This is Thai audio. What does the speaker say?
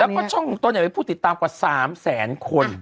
แล้วก็ช่องตัวเนี่ยไม่พูดติดตามกว่า๓แสนคน